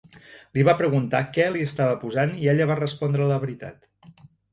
Li va preguntar què li estava posant i ella va respondre la veritat.